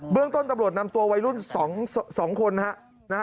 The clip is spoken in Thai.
เรื่องต้นตำรวจนำตัววัยรุ่น๒คนนะฮะ